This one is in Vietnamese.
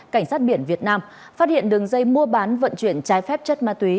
cảnh sát biển việt nam phát hiện đường dây mua bán vận chuyển trái phép chất ma túy